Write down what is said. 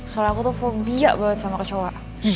soal aku tuh fobia banget sama kecoa